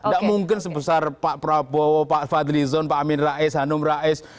tidak mungkin sebesar pak prabowo pak fadlizon pak amin rais hanum rais